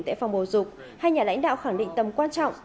tại phòng bầu dục hai nhà lãnh đạo khẳng định tầm quan trọng